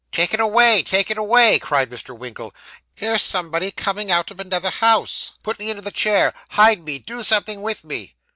'Take it away, take it away,' cried Mr. Winkle. 'Here's somebody coming out of another house; put me into the chair. Hide me! Do something with me!